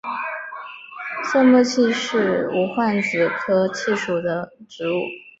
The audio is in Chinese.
色木槭是无患子科槭属的植物。